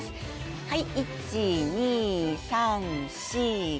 はい１・２・３・４・５。